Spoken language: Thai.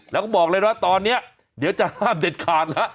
แล้วก็บอกเลยนะตอนนี้เดี๋ยวจะห้ามเด็ดขาดแล้ว